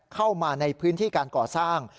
เข้ามาในพื้นที่การก่อสร้าง